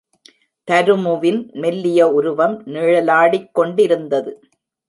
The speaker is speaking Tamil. தருமுவின் மெல்லிய உருவம் நிழலாடிக் கொண்டிருந்தது.